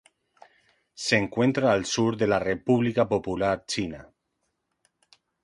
Se encuentra al sur de la República Popular China.